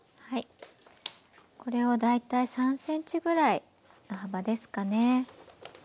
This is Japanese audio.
これを大体３ｃｍぐらいの幅ですかね。